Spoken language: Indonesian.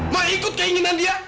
mau ikut keinginan dia